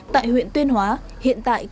tại huyện tuyên hóa hiện tại còn